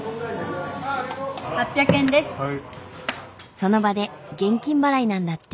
その場で現金払いなんだって。